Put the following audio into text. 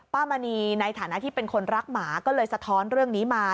มณีในฐานะที่เป็นคนรักหมาก็เลยสะท้อนเรื่องนี้มา